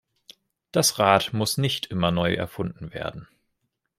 Das Rad muss nicht immer neu erfunden werden.